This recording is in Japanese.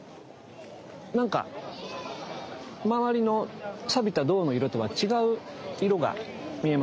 なんか周りのさびた銅の色とは違う色が見えませんか？